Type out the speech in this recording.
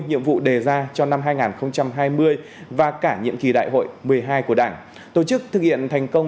nhiệm vụ đề ra cho năm hai nghìn hai mươi và cả nhiệm kỳ đại hội một mươi hai của đảng tổ chức thực hiện thành công